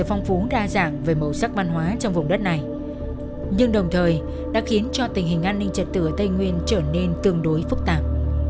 phong phú đa dạng về màu sắc văn hóa trong vùng đất này nhưng đồng thời đã khiến cho tình hình an ninh trật tự ở tây nguyên trở nên tương đối phức tạp